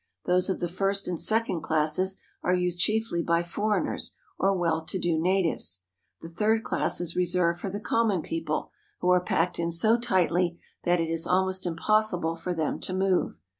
Those of the first and second classes are used chiefly by for eigners or well to do natives. The third class is reserved for the common people, who are packed in so tightly that it is almost impossible for them to move.